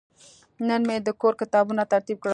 نن مې د کور کتابونه ترتیب کړل.